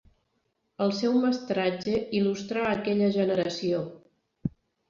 El seu mestratge il·lustrà aquella generació.